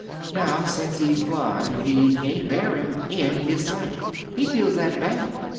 Now, since he's blind, he can't bear him IN his sight. He feels that bad.